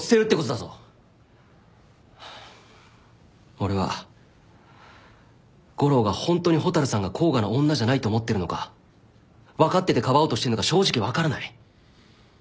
俺は悟郎がホントに蛍さんが甲賀の女じゃないと思ってるのか分かっててかばおうとしてるのか正直分からない。